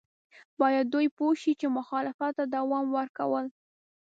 باید دوی پوه شي چې مخالفت ته دوام ورکول.